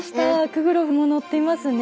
クグロフも載っていますね。